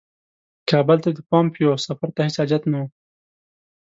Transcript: کابل ته د پومپیو سفر ته هیڅ حاجت نه وو.